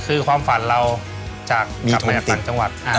คือความฝันเราจากต่างจังหวัด